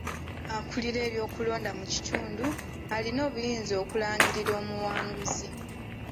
Akulira eby'okulonda mu kitundu alina obuyinza okulangirira omuwanguzi.